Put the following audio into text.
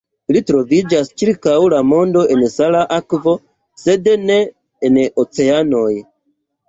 Ili troviĝas ĉirkaŭ la mondo en sala akvo, sed ne en oceanoj.